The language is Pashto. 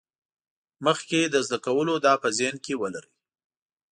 مخکې له زده کولو دا په ذهن کې ولرئ.